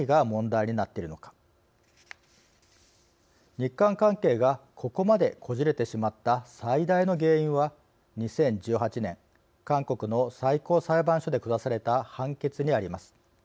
日韓関係が、ここまでこじれてしまった最大の原因は２０１８年、韓国の最高裁判所で下された判決にあります。